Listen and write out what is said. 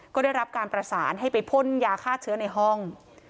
ก็ได้รับการประสานให้ไปพ่นยาฆ่าเชื้อในห้อง